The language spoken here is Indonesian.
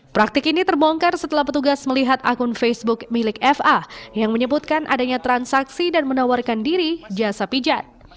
praktik ini terbongkar setelah petugas melihat akun facebook milik fa yang menyebutkan adanya transaksi dan menawarkan diri jasa pijat